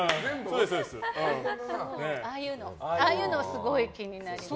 ああいうのすごい気になります。